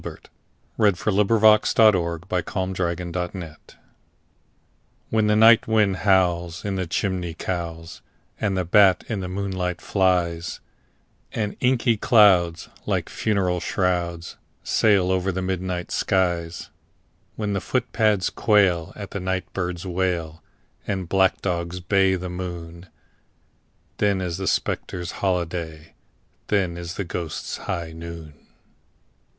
But then, unhappily, I'm not thy bride! THE GHOSTS' HIGH NOON WHEN the night wind howls in the chimney cowls, and the bat in the moonlight flies, And inky clouds, like funeral shrouds, sail over the midnight skies— When the footpads quail at the night bird's wail, and black dogs bay the moon, Then is the spectres' holiday—then is the ghosts' high noon!